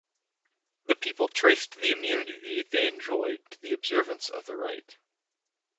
The people traced the immunity they enjoyed to the due observance of the rite.